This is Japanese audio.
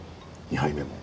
２杯目も。